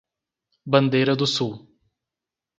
Bandeira do Sul